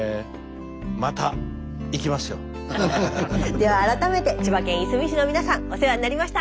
では改めて千葉県いすみ市の皆さんお世話になりました。